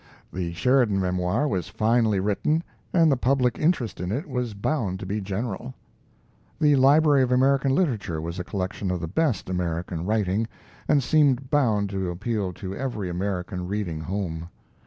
The Sheridan Memoir was finely written, and the public interest in it was bound to be general. The Library of American Literature was a collection of the best American writing, and seemed bound to appeal to every American reading home.